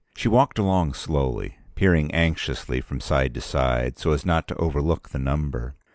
She walked along slowly, peering anxiously from side to side so as not to overlook the number.